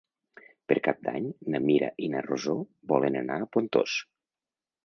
Per Cap d'Any na Mira i na Rosó volen anar a Pontós.